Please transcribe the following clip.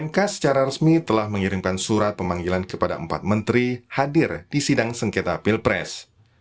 mk secara resmi telah mengirimkan surat pemanggilan kepada empat menteri hadir di sidang sengketa pilpres